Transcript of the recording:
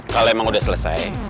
kalau emang udah selesai